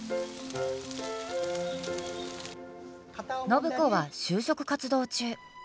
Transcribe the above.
暢子は就職活動中。